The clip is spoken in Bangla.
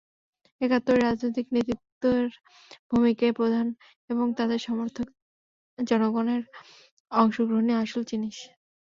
একাত্তরে রাজনৈতিক নেতৃত্বের ভূমিকাই প্রধান এবং তাদের সমর্থক জনগণের অংশগ্রহণই আসল জিনিস।